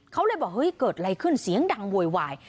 เขาเลยบอกเฮ้ยเกิดอะไรขึ้นเสียงดังโวยวาย